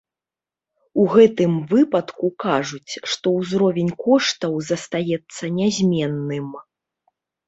У гэтым выпадку кажуць, што ўзровень коштаў застаецца нязменным.